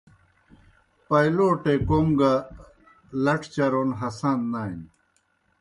پائیْلوٹے کوْم گہ لڇ چرون ہسان نانیْ۔